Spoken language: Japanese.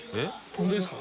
本当ですか？